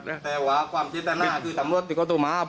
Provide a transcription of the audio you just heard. แต่ว่าความทิศตนาคือสำรวจที่ก็ตัวมา